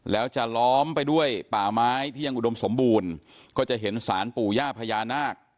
แล้วจะล้อมไปด้วยป่าไม้ที่ยังอุดมสมบูรณ์ก็จะเห็นสารปู่ย่าพญานาค